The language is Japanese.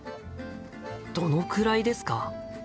どのくらいですか？